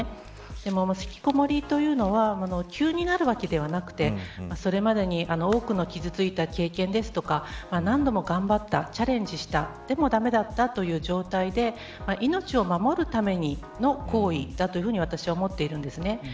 でも、ひきこもりというのは急になるわけではなくてそれまでに多くの傷ついた経験ですとか何度も頑張った、チャレンジしたでも駄目だったという状態で命を守るための行為だというふうに私は思っているんです。